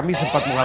tiga dua tiga